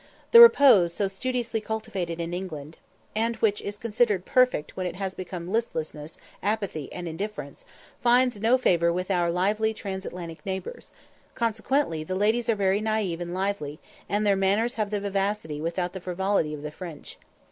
The repose so studiously cultivated in England, and which is considered perfect when it has become listlessness, apathy, and indifference, finds no favour with our lively Transatlantic neighbours; consequently the ladies are very naïve and lively, and their manners have the vivacity without the frivolity of the French.